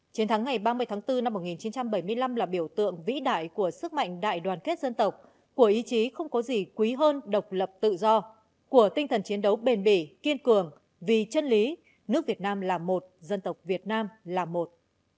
chiến thắng ngày ba mươi tháng bốn năm một nghìn chín trăm bảy mươi năm là biểu tượng vĩ đại của sức mạnh đại đoàn kết dân tộc của ý chí không có gì quý hơn độc lập tự do của tinh thần chiến đấu bền bỉ kiên cường vì chân lý nước việt nam là một dân tộc việt nam là một